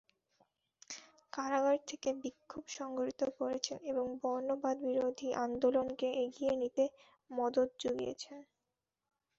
কারাগার থেকে বিক্ষোভ সংঘটিত করেছেন এবং বর্ণবাদবিরোধী আন্দোলনকে এগিয়ে নিতে মদদ জুগিয়েছেন।